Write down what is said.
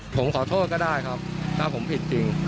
ผมขอโทษก็ได้ครับถ้าผมผิดจริง